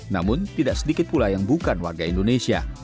namun tidak sedikit pula yang bukan warga indonesia